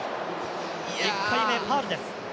１回目ファウルです。